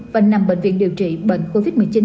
và nằm bệnh viện điều trị bệnh covid một mươi chín